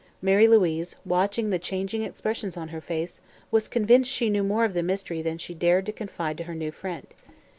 Mary Louise, watching the changing expressions on her face, was convinced she knew more of the mystery than she dared confide to her new friend.